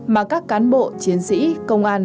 mà các cán bộ chiến sĩ công an